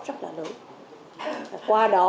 rất là lớn qua đó